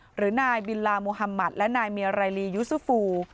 หรือนายบิลลามุฮัมมัติและนายเมียไรลียูซูฟู